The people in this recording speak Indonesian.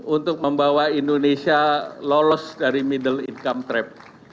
untuk membawa indonesia lolos dari middle income trap